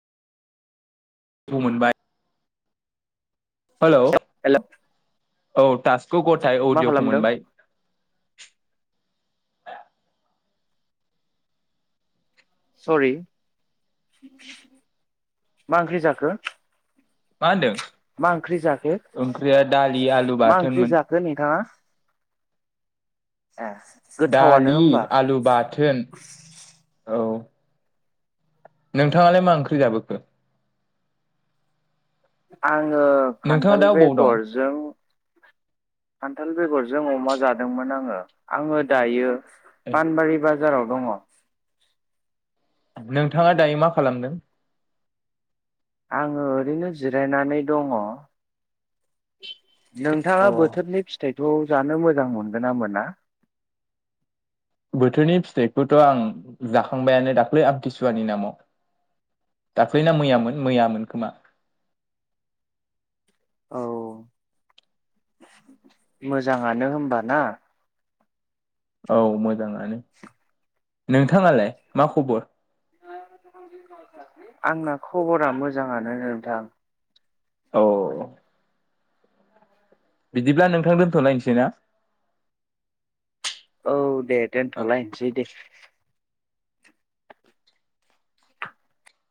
थु‌ मोनबाय। Hello hello औ तासकौ गथाय मा अडियखौ खालामदों मोनबाय। सरि मा ओंख्रि जाखो? मा होनदों मा ओंख्रि जाखो ओंख्रिया दालि आलु मा ओंख्रि बाथोनमोन जाखो नोंथाङा? ए गोथावानो दालि होमबा आलु बाथोन औ। नोंथाङालाय मा ओंख्रि जाबोखो? आङो नोंथाङा खान्थाल दा अबाव दं बेगरजों खान्थाल बेगरजों अमा जादोंमोन आङो आङो दायो फानबारि बाजार बाजाराव दङ। नोंथाङा दायो मा खालामदों? आङो ओरैनो जिरायनानै दङ। नोंथाङा अ बोथोरनि फिथाइखौ जानो मोजां मोनगोना मोना? बोथोरनि फिथाइखौथ' आं जाखांबायानो दाख्लै आमथिसुवानि नामाव। दाख्लैना मैयामोन मैआमोन खोमा। औ। मोजाङानो होमबा ना। औ मोजाङानो नोंथाङालाय मा खबर? आंना खबरा मोजाङानो नोंथां। औ। बिदिब्ला नोंथां दोनथ'लायनोसै ना? औ दे ना दोनथ'लायनोसै दे।